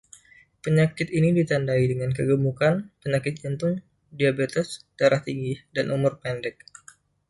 Penyakit ini ditandai dengan kegemukan, penyakit jantung, diabetes, darah tinggi, dan umur pendek.